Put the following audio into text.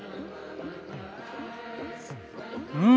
うん！